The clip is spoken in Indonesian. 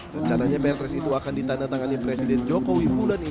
rencananya pr press itu akan ditandatangani presiden joko widodo